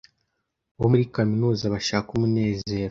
bo muri kaminuza bashaka umunezero